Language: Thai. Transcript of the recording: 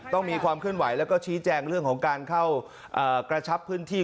ต้องมีความเคลื่อนไหวแล้วก็ชี้แจงเรื่องของการเข้ากระชับพื้นที่